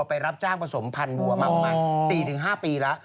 ไปรับจ้างผสมพันธ์บัวมาประมาณ๔๕ปีแล้ว